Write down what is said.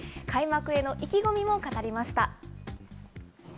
開幕への意気込みを語りました。